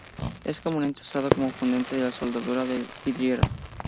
Es comúnmente usado como fundente en la soldadura de las vidrieras.